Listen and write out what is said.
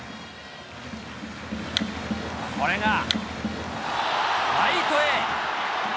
これがライトへ。